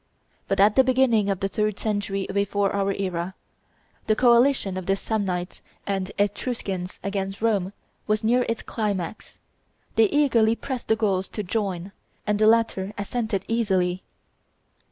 But at the beginning of the third century before our era, the coalition of the Samnites and Etruscans against Rome was near its climax; they eagerly pressed the Gauls to join, and the latter assented easily.